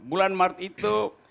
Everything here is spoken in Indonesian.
bulan mart itu